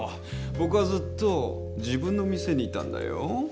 ぼくはずっと自分の店にいたんだよ。